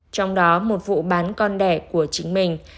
trong đó một vụ bán con đẻ của chính mình